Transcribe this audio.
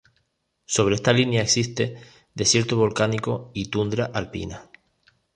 Sobre esta línea existe desierto volcánico y tundra alpina.